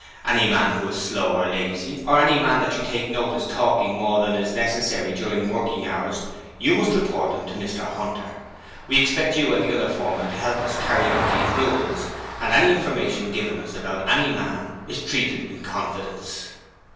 Any man who is slow or lazy, or any man that you notice talking more than is necessary during working hours, you must report him to Mr Hunter. We expect you and the other foremen to help us to carry out these rules, AND ANY INFORMATION GIVEN US ABOUT ANY MAN IS TREATED IN CONFIDENCE.